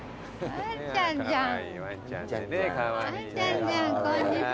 ワンちゃんじゃんこんにちは。